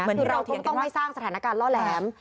คือเราก็ไม่ต้องสร้างสถานการณ์เล่าแหลม